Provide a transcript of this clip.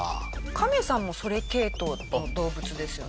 カメさんもそれ系統の動物ですよね？